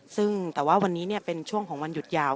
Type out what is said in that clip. ซึ่งแต่ว่าวันนี้เป็นช่วงของวันหยุดยาว